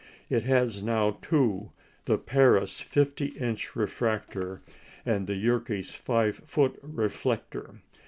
It has now two the Paris 50 inch refractor and the Yerkes 5 foot reflector.